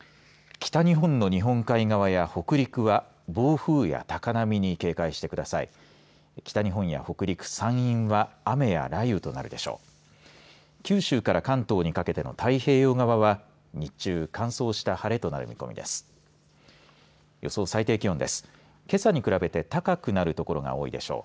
北日本や北陸、山陰は雨や雷雨となるでしょう。